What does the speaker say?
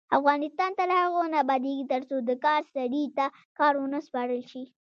افغانستان تر هغو نه ابادیږي، ترڅو د کار سړي ته کار ونه سپارل شي.